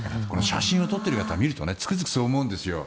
写真を撮っているのを見るとつくづくそう思うんです。